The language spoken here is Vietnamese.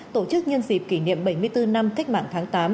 tổ chức nhân dịp kỷ niệm bảy mươi bốn năm cách mạng tháng tám